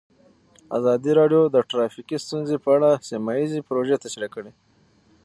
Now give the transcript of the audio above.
ازادي راډیو د ټرافیکي ستونزې په اړه سیمه ییزې پروژې تشریح کړې.